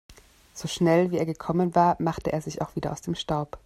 So schnell, wie er gekommen war, machte er sich auch wieder aus dem Staub.